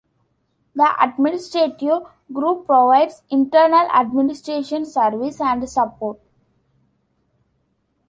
The Administrative Group provides internal administration service and support.